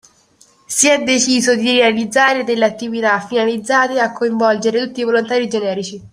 Si è deciso di realizzare delle attività finalizzate a coinvolgere tutti i volontari generici